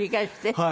はい。